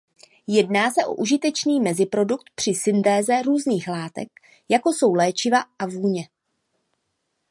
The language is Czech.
Jedná se o užitečný meziprodukt při syntéze různých látek jako jsou léčiva a vůně.